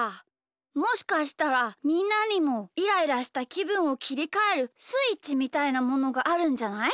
もしかしたらみんなにもイライラしたきぶんをきりかえるスイッチみたいなものがあるんじゃない？